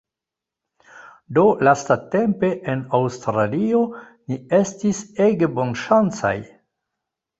Do lastatempe en Aŭstralio ni estis ege bonŝancaj